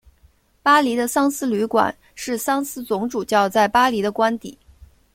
巴黎的桑斯旅馆是桑斯总主教在巴黎的官邸。